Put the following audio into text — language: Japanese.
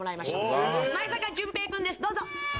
どうぞ。